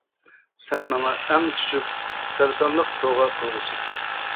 سەن ماڭا ئەڭ چۈچۈك سەرسانلىق سوۋغا قىلغۇچى.